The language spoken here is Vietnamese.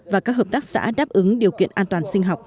và các hợp tác xã đáp ứng điều kiện an toàn sinh học